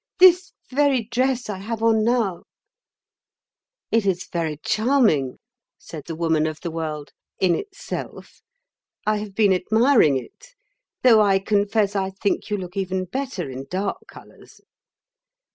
This very dress I have on now—" "It is very charming," said the Woman of the World, "in itself. I have been admiring it. Though I confess I think you look even better in dark colours."